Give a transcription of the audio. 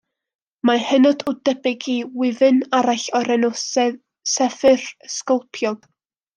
Mae'n hynod o debyg i wyfyn arall o'r enw'r Seffyr Sgolpiog